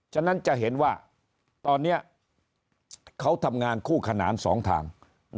ฉะนั้นจะเห็นว่าตอนนี้เขาทำงานคู่ขนานสองทาง